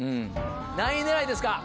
何位狙いですか？